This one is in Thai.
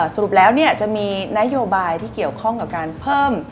สรุปแล้วจะมีนโยบายที่เกี่ยวข้องกับการเพิ่ม